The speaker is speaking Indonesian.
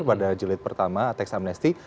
pada jilid pertama tax amnesty